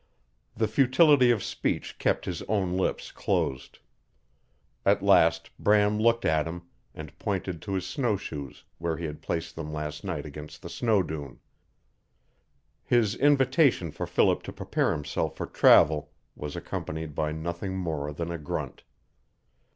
The futility of speech kept his own lips closed. At last Bram looked at him, and pointed to his snowshoes where he had placed them last night against the snow dune. His invitation for Philip to prepare himself for travel was accompanied by nothing more than a grunt.